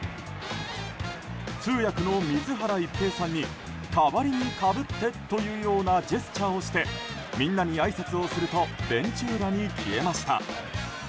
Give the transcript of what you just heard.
通訳の水原一平さんに代わりにかぶってというようなジェスチャーをしてみんなにあいさつをするとベンチ裏に消えました。